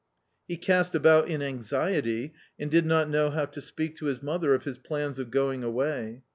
He cast about in anxiety and did not know how to speak to his mother of his plans of going away.